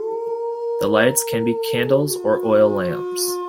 The lights can be candles or oil lamps.